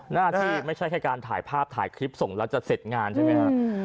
หน้าที่ไม่ใช่แค่การถ่ายภาพถ่ายคลิปส่งแล้วจะเสร็จงานใช่ไหมฮะ